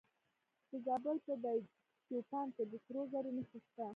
د زابل په دایچوپان کې د سرو زرو نښې شته.